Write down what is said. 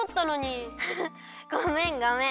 ごめんごめん。